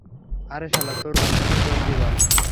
আরে শালা, তোর অবস্থান জলদি বল।